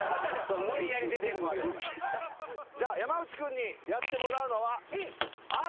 じゃあ山内君にやってもらうのは。